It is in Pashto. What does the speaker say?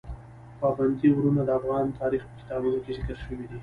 پابندي غرونه د افغان تاریخ په کتابونو کې ذکر شوي دي.